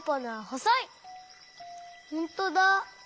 ほんとだ！